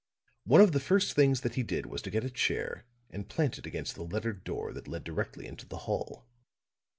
One of the first things that he did was to get a chair and plant it against the lettered door that led directly into the hall.